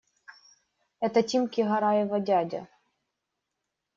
Это Тимки Гараева дядя.